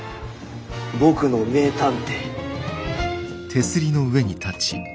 僕の名探偵。